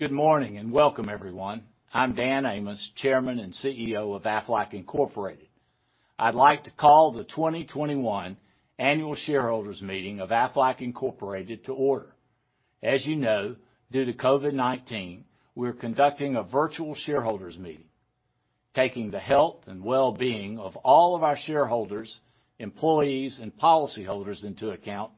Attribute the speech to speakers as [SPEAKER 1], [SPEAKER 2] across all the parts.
[SPEAKER 1] Good morning, and welcome everyone. I'm Dan Amos, Chairman and CEO of Aflac Incorporated. I'd like to call the 2021 annual shareholders meeting of Aflac Incorporated to order. As you know, due to COVID-19, we're conducting a virtual shareholders meeting. Taking the health and well-being of all of our shareholders, employees, and policyholders into account,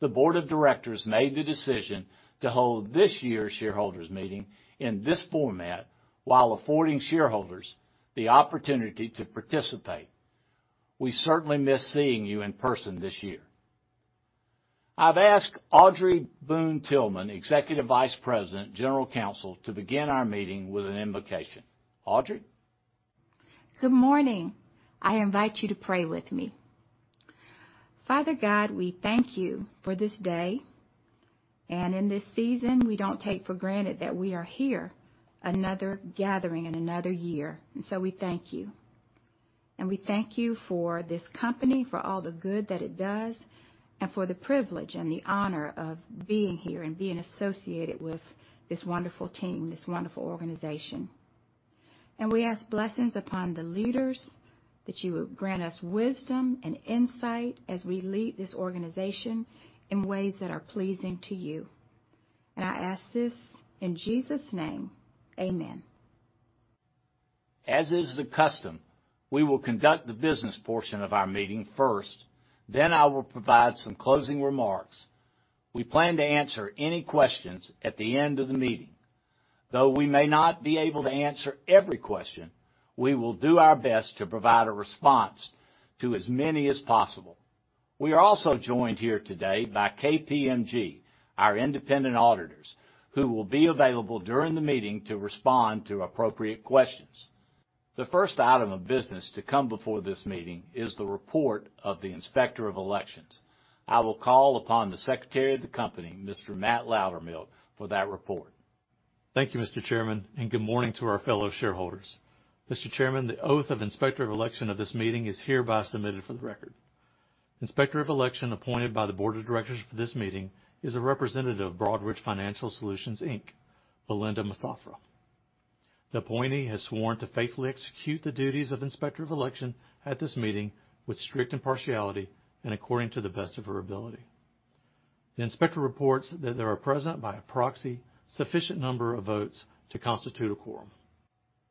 [SPEAKER 1] the board of directors made the decision to hold this year's shareholders meeting in this format while affording shareholders the opportunity to participate. We certainly miss seeing you in person this year. I've asked Audrey Boone Tillman, Executive Vice President General Counsel, to begin our meeting with an invocation. Audrey?
[SPEAKER 2] Good morning. I invite you to pray with me. Father God, we thank you for this day. In this season, we don't take for granted that we are here, another gathering and another year, and so we thank you. We thank you for this company, for all the good that it does, and for the privilege and the honor of being here and being associated with this wonderful team, this wonderful organization. We ask blessings upon the leaders, that you would grant us wisdom and insight as we lead this organization in ways that are pleasing to you. I ask this in Jesus' name, Amen.
[SPEAKER 1] As is the custom, we will conduct the business portion of our meeting first, then I will provide some closing remarks. We plan to answer any questions at the end of the meeting. Though we may not be able to answer every question, we will do our best to provide a response to as many as possible. We are also joined here today by KPMG, our independent auditors, who will be available during the meeting to respond to appropriate questions. The first item of business to come before this meeting is the report of the Inspector of Elections. I will call upon the Secretary of the company, Mr. Matt Loudermilk, for that report.
[SPEAKER 3] Thank you, Mr. Chairman, and good morning to our fellow shareholders. Mr. Chairman, the oath of Inspector of Election of this meeting is hereby submitted for the record. Inspector of Election appointed by the board of directors for this meeting is a representative of Broadridge Financial Solutions, Inc., Belinda Massafra. The appointee has sworn to faithfully execute the duties of Inspector of Election at this meeting with strict impartiality and according to the best of her ability. The inspector reports that there are present by proxy sufficient number of votes to constitute a quorum.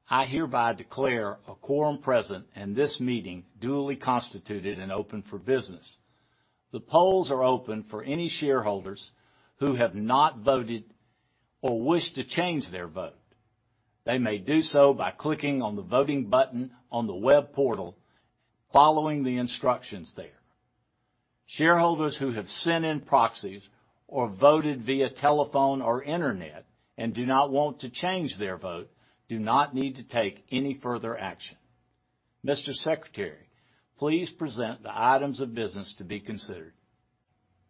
[SPEAKER 1] I hereby declare a quorum present and this meeting duly constituted and open for business. The polls are open for any shareholders who have not voted or wish to change their vote. They may do so by clicking on the voting button on the web portal, following the instructions there. Shareholders who have sent in proxies or voted via telephone or internet and do not want to change their vote, do not need to take any further action. Mr. Secretary, please present the items of business to be considered.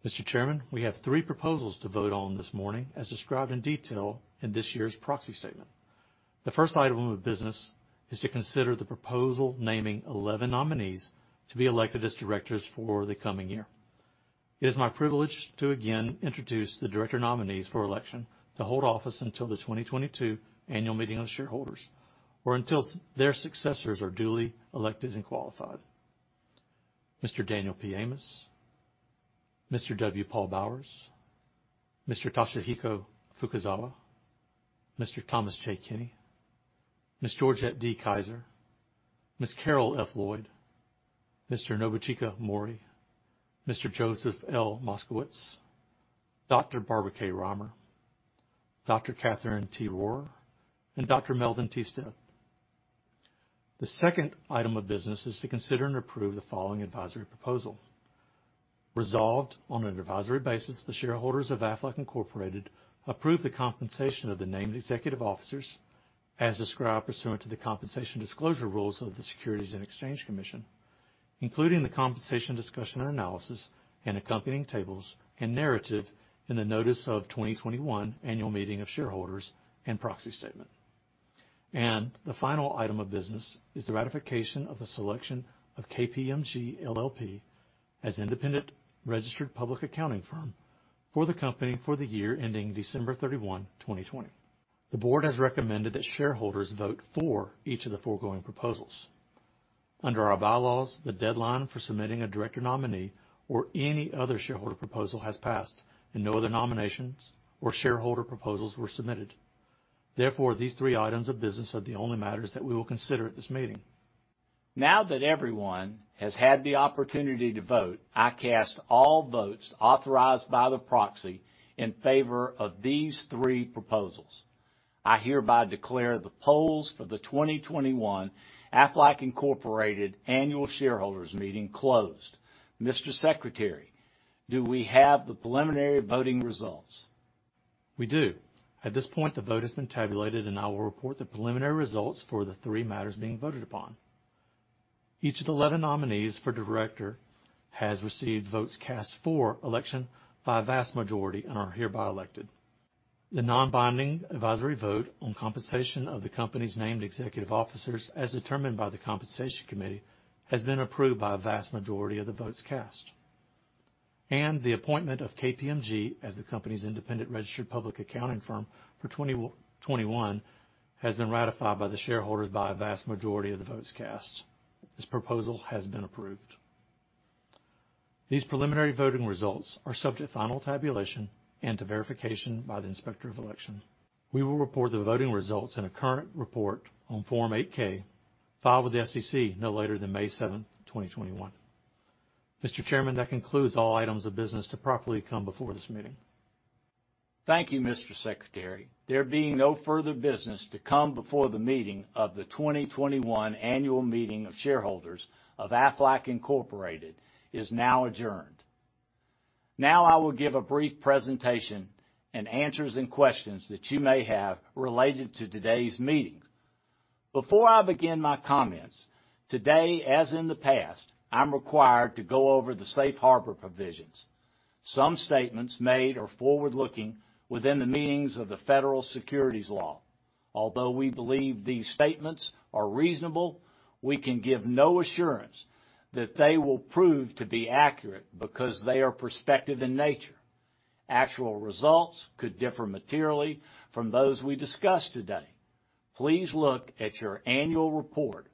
[SPEAKER 3] Mr. Chairman, we have three proposals to vote on this morning as described in detail in this year's proxy statement. The first item of business is to consider the proposal naming 11 nominees to be elected as directors for the coming year. It is my privilege to again introduce the director nominees for election to hold office until the 2022 annual meeting of shareholders or until their successors are duly elected and qualified. Mr. Daniel P. Amos, Mr. W. Paul Bowers, Mr. Toshihiko Fukuzawa, Mr. Thomas J. Kenny, Ms. Georgette D. Kiser, Ms. Karole F. Lloyd, Mr. Nobuchika Mori, Mr. Joseph L. Moskowitz, Dr. Barbara K. Rimer, Dr. Katherine T. Rohrer, and Dr. Melvin T. Stith. The second item of business is to consider and approve the following advisory proposal. Resolved on an advisory basis, the shareholders of Aflac Incorporated approve the compensation of the named executive officers as described pursuant to the compensation disclosure rules of the Securities and Exchange Commission, including the compensation discussion and analysis and accompanying tables and narrative in the notice of 2021 annual meeting of shareholders and proxy statement. The final item of business is the ratification of the selection of KPMG LLP as independent registered public accounting firm for the company for the year ending December 31, 2020. The board has recommended that shareholders vote for each of the foregoing proposals. Under our bylaws, the deadline for submitting a director nominee or any other shareholder proposal has passed, and no other nominations or shareholder proposals were submitted. Therefore, these three items of business are the only matters that we will consider at this meeting.
[SPEAKER 1] Now that everyone has had the opportunity to vote, I cast all votes authorized by the proxy in favor of these three proposals. I hereby declare the polls for the 2021 Aflac Incorporated Annual Shareholders' Meeting closed. Mr. Secretary, do we have the preliminary voting results?
[SPEAKER 3] We do. At this point, the vote has been tabulated, and I will report the preliminary results for the three matters being voted upon. Each of the 11 nominees for director has received votes cast for election by a vast majority and are hereby elected. The non-binding advisory vote on compensation of the company's named executive officers as determined by the Compensation Committee, has been approved by a vast majority of the votes cast. The appointment of KPMG as the company's independent registered public accounting firm for 2021 has been ratified by the shareholders by a vast majority of the votes cast. This proposal has been approved. These preliminary voting results are subject to final tabulation and to verification by the Inspector of Election. We will report the voting results in a current report on Form 8-K filed with the SEC no later than May 7th, 2021. Mr. Chairman, that concludes all items of business to properly come before this meeting.
[SPEAKER 1] Thank you, Mr. Secretary. There being no further business to come before the meeting of the 2021 annual meeting of shareholders of Aflac Incorporated is now adjourned. Now I will give a brief presentation and answers any questions that you may have related to today's meeting. Before I begin my comments, today, as in the past, I'm required to go over the safe harbor provisions. Some statements made are forward-looking within the meanings of the federal securities law. Although we believe these statements are reasonable, we can give no assurance that they will prove to be accurate because they are prospective in nature. Actual results could differ materially from those we discuss today. Please look at your annual report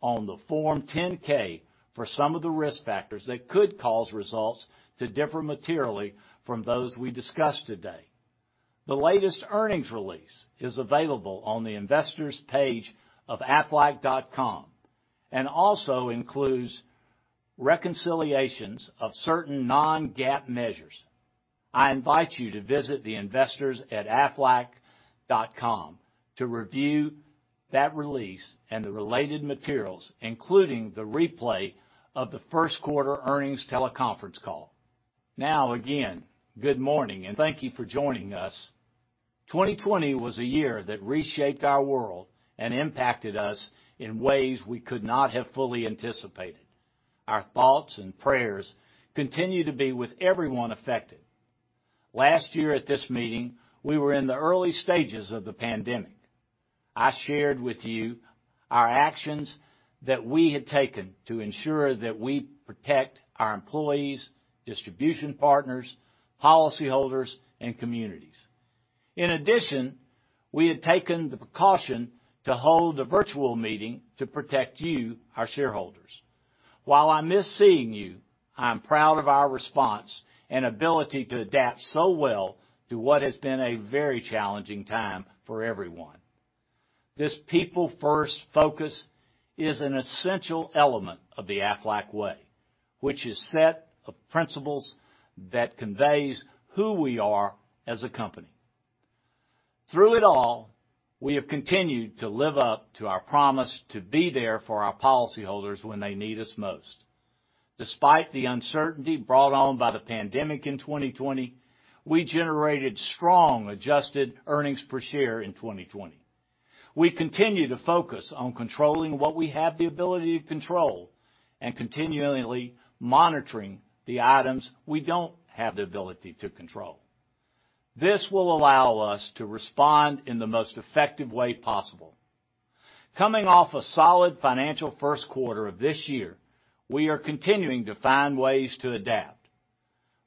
[SPEAKER 1] on the Form 10-K for some of the risk factors that could cause results to differ materially from those we discuss today. The latest earnings release is available on the investors page of aflac.com and also includes reconciliations of certain non-GAAP measures. I invite you to visit the investors.aflac.com to review that release and the related materials, including the replay of the first quarter earnings teleconference call. Again, good morning and thank you for joining us. 2020 was a year that reshaped our world and impacted us in ways we could not have fully anticipated. Our thoughts and prayers continue to be with everyone affected. Last year at this meeting, we were in the early stages of the pandemic. I shared with you our actions that we had taken to ensure that we protect our employees, distribution partners, policyholders, and communities. We had taken the precaution to hold a virtual meeting to protect you, our shareholders. While I miss seeing you, I am proud of our response and ability to adapt so well to what has been a very challenging time for everyone. This people-first focus is an essential element of the Aflac Way, which is set of principles that conveys who we are as a company. Through it all, we have continued to live up to our promise to be there for our policyholders when they need us most. Despite the uncertainty brought on by the pandemic in 2020, we generated strong adjusted earnings per share in 2020. We continue to focus on controlling what we have the ability to control and continually monitoring the items we don't have the ability to control. This will allow us to respond in the most effective way possible. Coming off a solid financial first quarter of this year, we are continuing to find ways to adapt.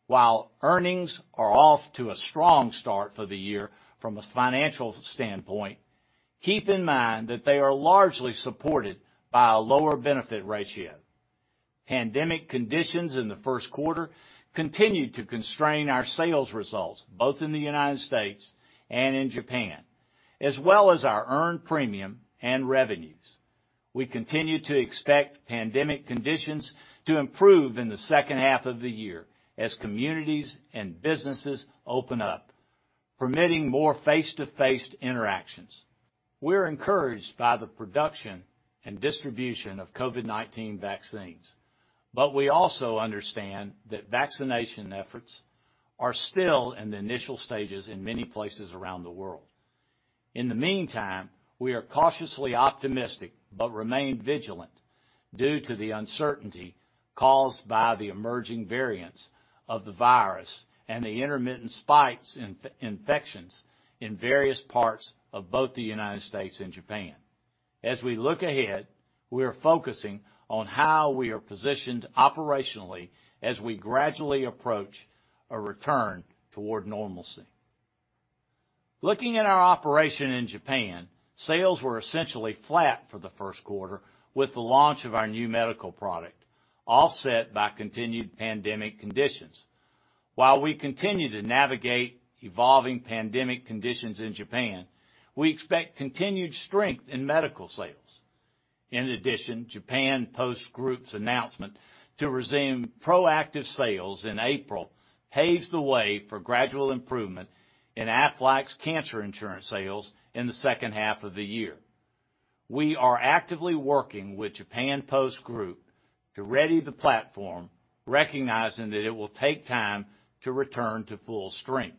[SPEAKER 1] While earnings are off to a strong start for the year from a financial standpoint, keep in mind that they are largely supported by a lower benefit ratio. Pandemic conditions in the first quarter continued to constrain our sales results, both in the U.S. and in Japan, as well as our earned premium and revenues. We continue to expect pandemic conditions to improve in the second half of the year as communities and businesses open up, permitting more face-to-face interactions. We're encouraged by the production and distribution of COVID-19 vaccines, but we also understand that vaccination efforts are still in the initial stages in many places around the world. In the meantime, we are cautiously optimistic but remain vigilant due to the uncertainty caused by the emerging variants of the virus and the intermittent spikes in infections in various parts of both the U.S. and Japan. As we look ahead, we are focusing on how we are positioned operationally as we gradually approach a return toward normalcy. Looking at our operation in Japan, sales were essentially flat for the first quarter with the launch of our new medical product, offset by continued pandemic conditions. While we continue to navigate evolving pandemic conditions in Japan, we expect continued strength in medical sales. In addition, Japan Post Group's announcement to resume proactive sales in April paves the way for gradual improvement in Aflac's cancer insurance sales in the second half of the year. We are actively working with Japan Post Group to ready the platform, recognizing that it will take time to return to full strength.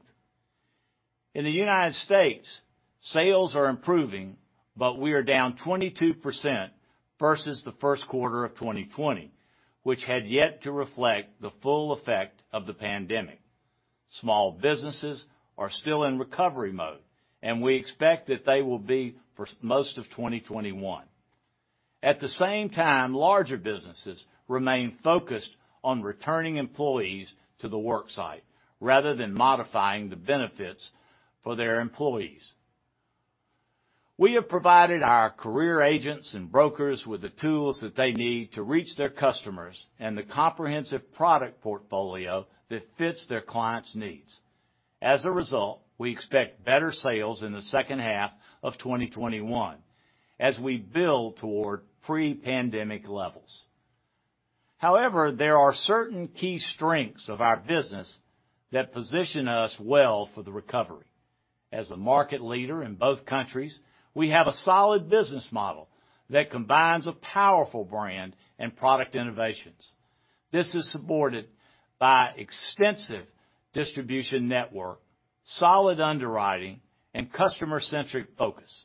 [SPEAKER 1] In the United States, sales are improving, but we are down 22% versus the first quarter of 2020, which had yet to reflect the full effect of the pandemic. Small businesses are still in recovery mode, and we expect that they will be for most of 2021. At the same time, larger businesses remain focused on returning employees to the work site rather than modifying the benefits for their employees. We have provided our career agents and brokers with the tools that they need to reach their customers and the comprehensive product portfolio that fits their clients' needs. As a result, we expect better sales in the second half of 2021 as we build toward pre-pandemic levels. However, there are certain key strengths of our business that position us well for the recovery. As a market leader in both countries, we have a solid business model that combines a powerful brand and product innovations. This is supported by extensive distribution network, solid underwriting, and customer-centric focus.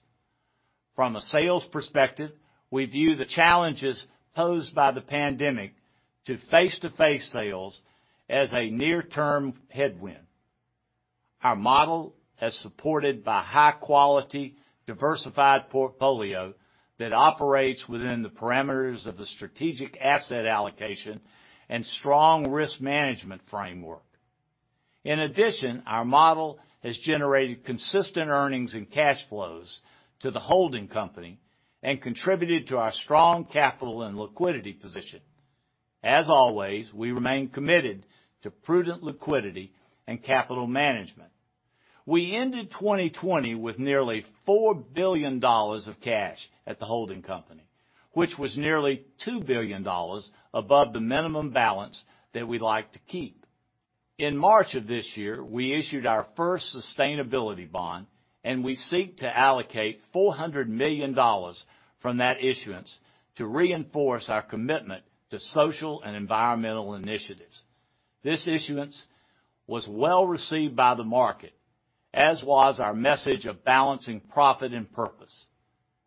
[SPEAKER 1] From a sales perspective, we view the challenges posed by the pandemic to face-to-face sales as a near-term headwind. Our model is supported by high-quality, diversified portfolio that operates within the parameters of the strategic asset allocation and strong risk management framework. Our model has generated consistent earnings and cash flows to the holding company and contributed to our strong capital and liquidity position. As always, we remain committed to prudent liquidity and capital management. We ended 2020 with nearly $4 billion of cash at the holding company, which was nearly $2 billion above the minimum balance that we like to keep. In March of this year, we issued our first sustainability bond. We seek to allocate $400 million from that issuance to reinforce our commitment to social and environmental initiatives. This issuance was well-received by the market, as was our message of balancing profit and purpose.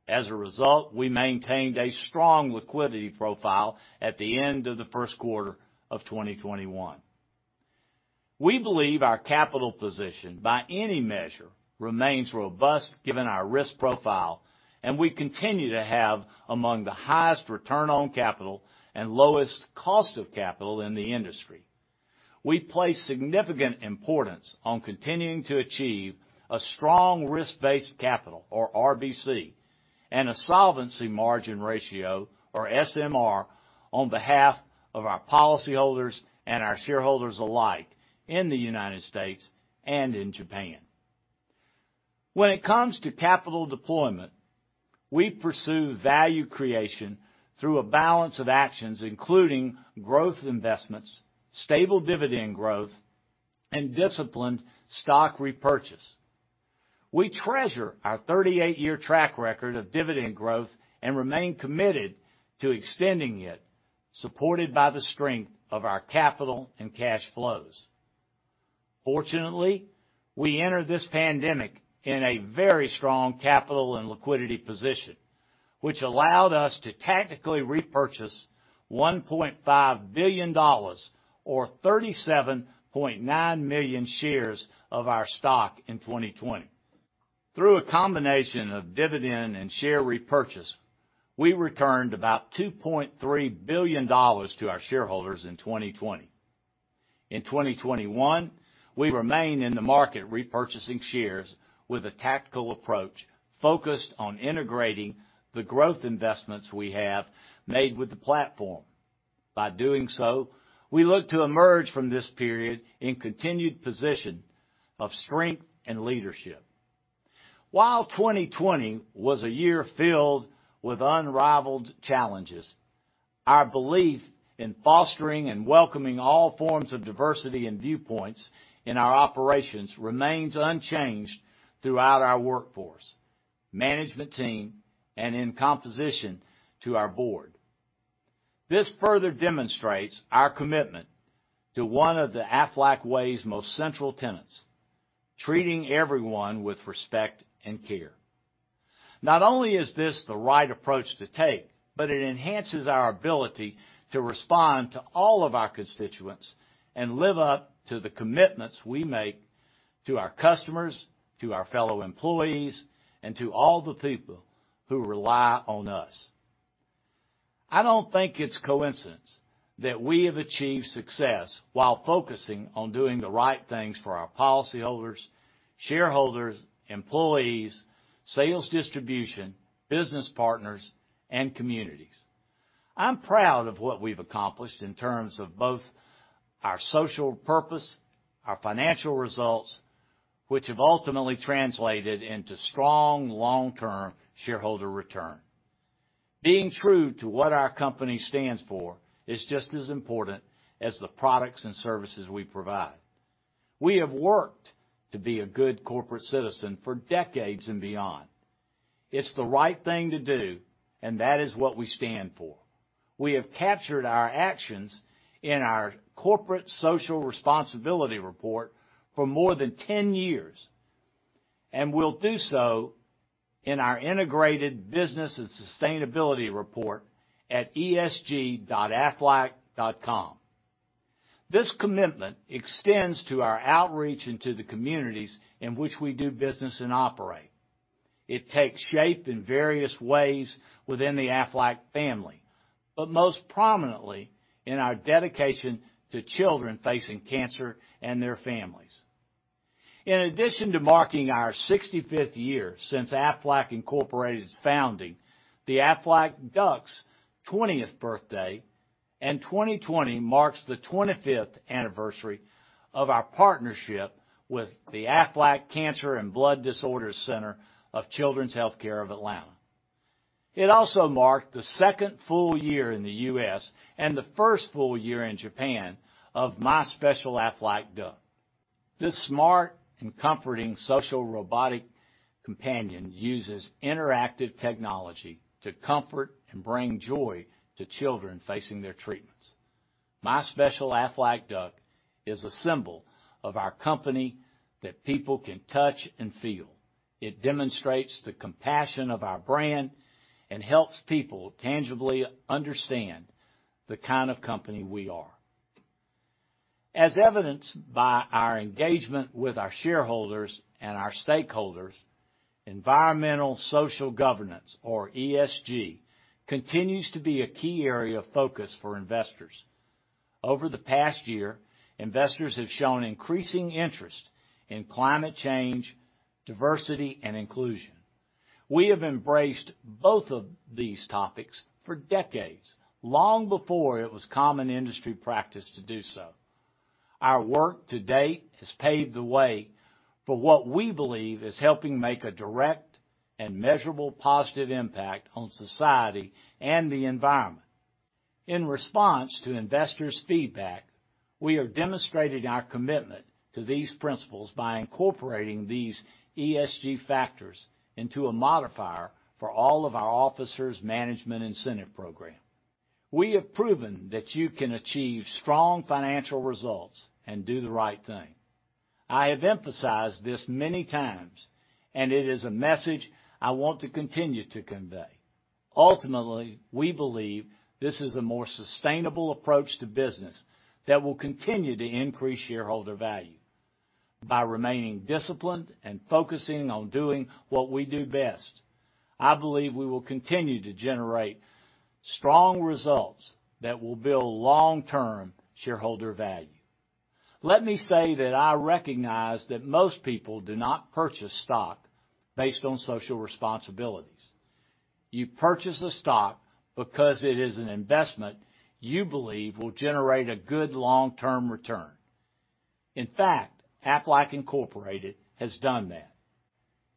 [SPEAKER 1] As a result, we maintained a strong liquidity profile at the end of the first quarter of 2021. We believe our capital position, by any measure, remains robust given our risk profile, and we continue to have among the highest return on capital and lowest cost of capital in the industry. We place significant importance on continuing to achieve a strong risk-based capital, or RBC, and a solvency margin ratio, or SMR, on behalf of our policyholders and our shareholders alike in the United States and in Japan. When it comes to capital deployment, we pursue value creation through a balance of actions, including growth investments, stable dividend growth, and disciplined stock repurchase. We treasure our 38-year track record of dividend growth and remain committed to extending it, supported by the strength of our capital and cash flows. Fortunately, we entered this pandemic in a very strong capital and liquidity position, which allowed us to tactically repurchase $1.5 billion, or 37.9 million shares of our stock in 2020. Through a combination of dividend and share repurchase, we returned about $2.3 billion to our shareholders in 2020. In 2021, we remain in the market repurchasing shares with a tactical approach focused on integrating the growth investments we have made with the platform. By doing so, we look to emerge from this period in continued position of strength and leadership. While 2020 was a year filled with unrivaled challenges, our belief in fostering and welcoming all forms of diversity and viewpoints in our operations remains unchanged throughout our workforce, management team, and in composition to our board. This further demonstrates our commitment to one of the Aflac Way's most central tenets, treating everyone with respect and care. Not only is this the right approach to take, but it enhances our ability to respond to all of our constituents and live up to the commitments we make to our customers, to our fellow employees, and to all the people who rely on us. I don't think it's coincidence that we have achieved success while focusing on doing the right things for our policyholders, shareholders, employees, sales distribution, business partners, and communities. I'm proud of what we've accomplished in terms of both our social purpose, our financial results, which have ultimately translated into strong long-term shareholder return. Being true to what our company stands for is just as important as the products and services we provide. We have worked to be a good corporate citizen for decades and beyond. It's the right thing to do, and that is what we stand for. We have captured our actions in our corporate social responsibility report for more than 10 years, and we'll do so in our integrated business and sustainability report at esg.aflac.com. This commitment extends to our outreach into the communities in which we do business and operate. It takes shape in various ways within the Aflac family, but most prominently in our dedication to children facing cancer and their families. In addition to marking our 65th year since Aflac Incorporated's founding, the Aflac Duck's 20th birthday, and 2020 marks the 25th anniversary of our partnership with the Aflac Cancer and Blood Disorders Center of Children's Healthcare of Atlanta. It also marked the second full year in the U.S. and the first full year in Japan of My Special Aflac Duck. This smart and comforting social robotic companion uses interactive technology to comfort and bring joy to children facing their treatments. My Special Aflac Duck is a symbol of our company that people can touch and feel. It demonstrates the compassion of our brand and helps people tangibly understand the kind of company we are. As evidenced by our engagement with our shareholders and our stakeholders, Environmental, Social, and Governance, or ESG, continues to be a key area of focus for investors. Over the past year, investors have shown increasing interest in climate change, diversity, and inclusion. We have embraced both of these topics for decades, long before it was common industry practice to do so. Our work to date has paved the way for what we believe is helping make a direct and measurable positive impact on society and the environment. In response to investors' feedback, we have demonstrated our commitment to these principles by incorporating these ESG factors into a modifier for all of our officers' management incentive program. We have proven that you can achieve strong financial results and do the right thing. I have emphasized this many times, and it is a message I want to continue to convey. Ultimately, we believe this is a more sustainable approach to business that will continue to increase shareholder value. By remaining disciplined and focusing on doing what we do best, I believe we will continue to generate strong results that will build long-term shareholder value. Let me say that I recognize that most people do not purchase stock based on social responsibilities. You purchase a stock because it is an investment you believe will generate a good long-term return. In fact, Aflac Incorporated has done that.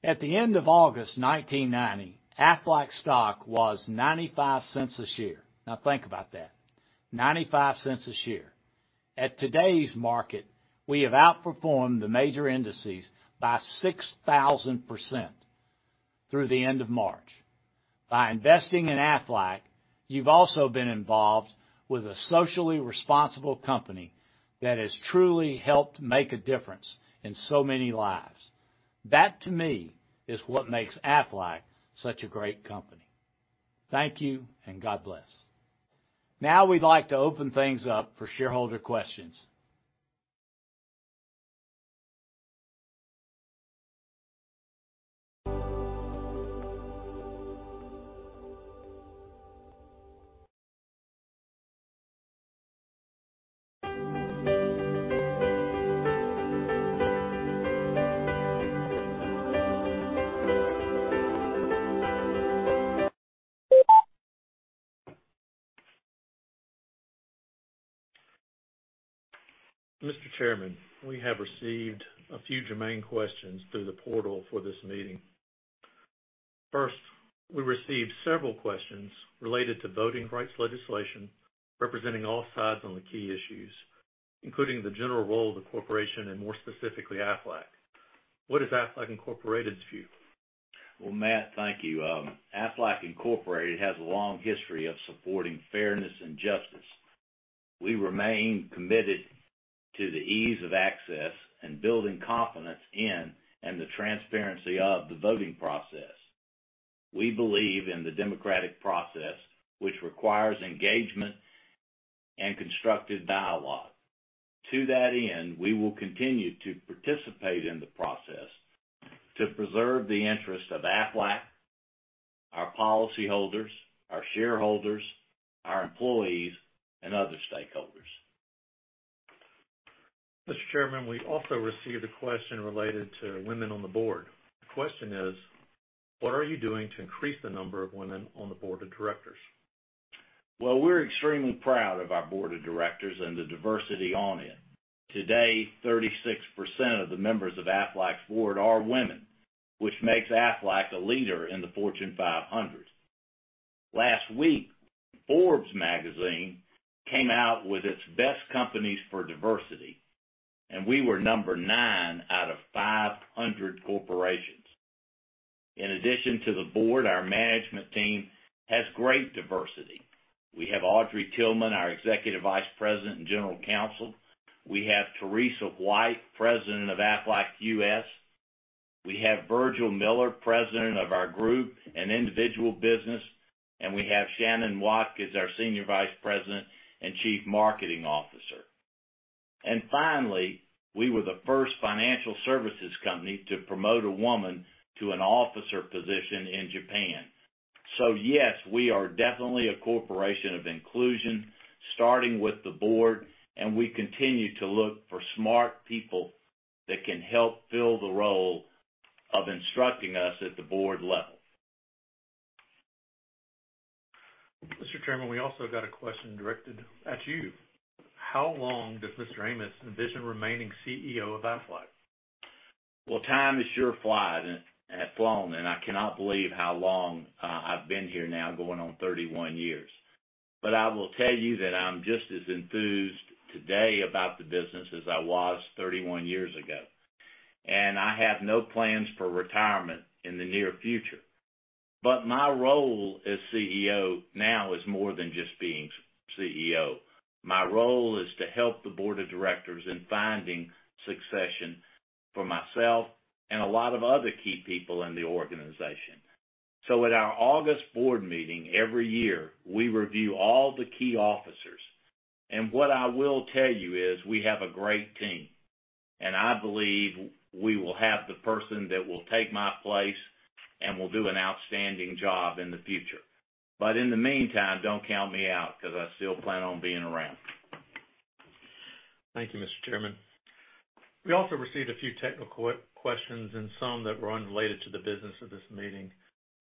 [SPEAKER 1] At the end of August 1990, Aflac stock was $0.95 a share. Now think about that, $0.95 a share. At today's market, we have outperformed the major indices by 6,000% through the end of March. By investing in Aflac, you've also been involved with a socially responsible company that has truly helped make a difference in so many lives. That, to me, is what makes Aflac such a great company. Thank you, and God bless. Now, we'd like to open things up for shareholder questions.
[SPEAKER 3] Mr. Chairman, we have received a few germane questions through the portal for this meeting. First, we received several questions related to voting rights legislation representing all sides on the key issues, including the general role of the corporation and more specifically Aflac. What is Aflac Incorporated's view?
[SPEAKER 1] Well, Matt Loudermilk, thank you. Aflac Incorporated has a long history of supporting fairness and justice. We remain committed to the ease of access and building confidence in, and the transparency of the voting process. We believe in the democratic process, which requires engagement and constructive dialogue. To that end, we will continue to participate in the process to preserve the interest of Aflac, our policyholders, our shareholders, our employees, and other stakeholders.
[SPEAKER 3] Mr. Chairman, we also received a question related to women on the board. The question is: what are you doing to increase the number of women on the board of directors?
[SPEAKER 1] Well, we're extremely proud of our board of directors and the diversity on it. Today, 36% of the members of Aflac's board are women, which makes Aflac a leader in the Fortune 500. Last week, Forbes magazine came out with its best companies for diversity, we were number nine out of 500 corporations. In addition to the board, our management team has great diversity. We have Audrey Tillman, our executive vice president and general counsel. We have Teresa White, president of Aflac U.S. We have Virgil Miller, President of our Group and Individual Business. We have Shannon Watkins as our Senior Vice President and Chief Marketing Officer. Finally, we were the first financial services company to promote a woman to an officer position in Japan. Yes, we are definitely a corporation of inclusion, starting with the board. We continue to look for smart people that can help fill the role of instructing us at the board level.
[SPEAKER 3] Mr. Chairman, we also got a question directed at you. How long does Mr. Amos envision remaining CEO of Aflac?
[SPEAKER 1] Well, time has sure flown, and I cannot believe how long I've been here now, going on 31 years. I will tell you that I'm just as enthused today about the business as I was 31 years ago. I have no plans for retirement in the near future. My role as CEO now is more than just being CEO. My role is to help the board of directors in finding succession for myself and a lot of other key people in the organization. At our August board meeting every year, we review all the key officers. What I will tell you is we have a great team, and I believe we will have the person that will take my place and will do an outstanding job in the future. In the meantime, don't count me out because I still plan on being around.
[SPEAKER 3] Thank you, Mr. Chairman. We also received a few technical questions and some that were unrelated to the business of this meeting.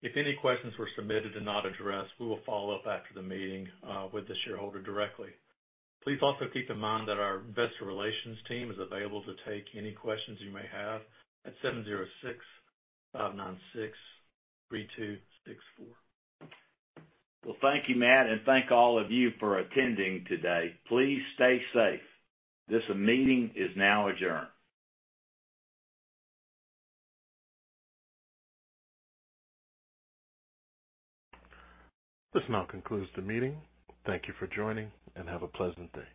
[SPEAKER 3] If any questions were submitted and not addressed, we will follow up after the meeting with the shareholder directly. Please also keep in mind that our investor relations team is available to take any questions you may have at 706-596-3264.
[SPEAKER 1] Well, thank you, Matt Loudermilk, and thank all of you for attending today. Please stay safe. This meeting is now adjourned.
[SPEAKER 3] This now concludes the meeting. Thank you for joining, and have a pleasant day.